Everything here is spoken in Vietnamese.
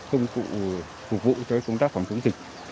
công cụ phục vụ cho công tác phòng chống dịch